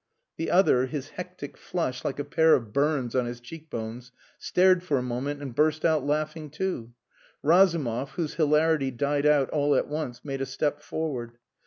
The other, his hectic flush like a pair of burns on his cheek bones, stared for a moment and burst out laughing too. Razumov, whose hilarity died out all at once, made a step forward.